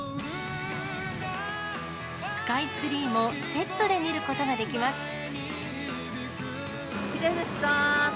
スカイツリーもセットで見ることができます。